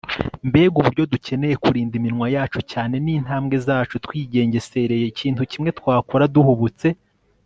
mbega uburyo dukeneye kurinda iminwa yacu cyane n'intambwe zacu twigengesereye! ikintu kimwe twakora duhubutse